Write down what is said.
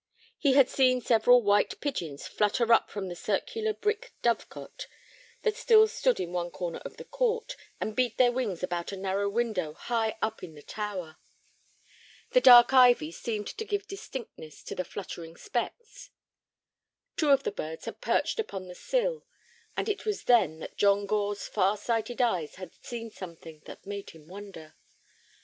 He had seen several white pigeons flutter up from the circular brick dove cote that still stood in one corner of the court, and beat their wings about a narrow window high up in the tower. The dark ivy seemed to give distinctness to the fluttering specks. Two of the birds had perched upon the sill, and it was then that John Gore's far sighted eyes had seen something that made him wonder.